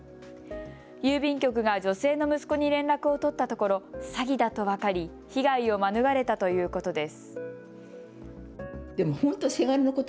郵便局が女性の息子に連絡を取ったところ詐欺だと分かり被害を免れたということです。